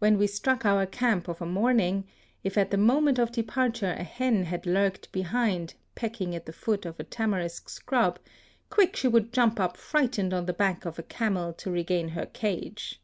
When we struck our camp of a morning, if at the moment of departure a hen had lurked behind pecking at the foot of a tamarisk shrub, quick she would jump up frightened on the back of a camel to regain her cage.